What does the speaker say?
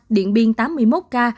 điện biên tám mươi một ca